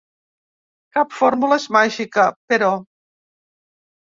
Cap fórmula és màgica, però.